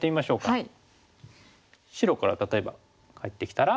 はい。